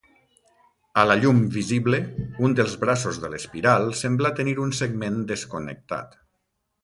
A la llum visible, un dels braços de l'espiral sembla tenir un segment desconnectat.